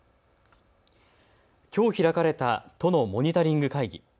きょう開かれた都のモニタリング会議。